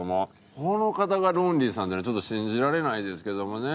この方がロンリーさんっていうのはちょっと信じられないですけどもね。